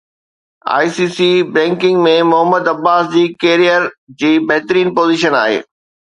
I C C ranking ۾ Muhammad Abbas جي career جي بهترين پوزيشن آهي